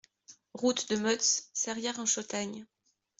Route de Motz, Serrières-en-Chautagne